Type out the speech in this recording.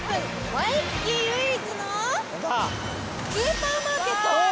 ワイキキ唯一のスーパーマーケット。